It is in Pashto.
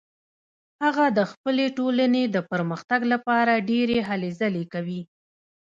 هغه د خپلې ټولنې د پرمختګ لپاره ډیرې هلې ځلې کوي